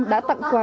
đã tặng quà